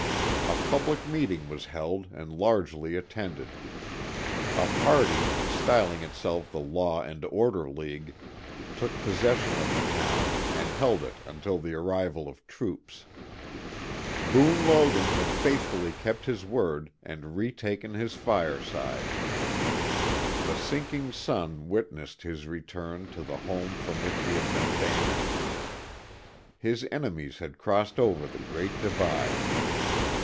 A public meeting was held and largely attended. A party, styling itself the Law and Order League, took possession of the town and held it until the arrival of troops. Boone Logan had faithfully kept his word and retaken his fireside. The sinking sun witnessed his return to the home from which he had been banished. His enemies had crossed over the great divide.